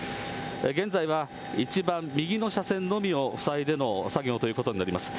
現在は、一番右の車線のみを塞いでの作業ということになります。